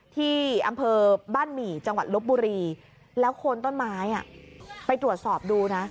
ที่อำเภอบ้านหมี่จังหวัดลบบุรีแล้วโคนต้นไม้ไปตรวจสอบดูนะ